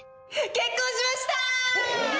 結婚しました！